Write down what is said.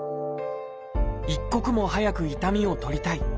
「一刻も早く痛みを取りたい」。